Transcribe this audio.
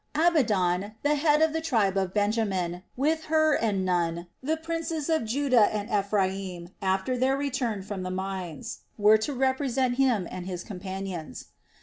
Abidan, the head of the tribe of Benjamin, with Hur and Nun, the princes of Judah and Ephraim after their return from the mines were to represent him and his companions.